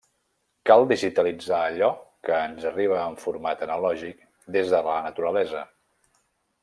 Cal digitalitzar allò que ens arriba en format analògic des de la naturalesa.